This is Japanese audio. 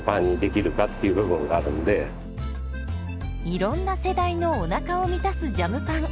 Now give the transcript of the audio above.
いろんな世代のおなかを満たすジャムパン。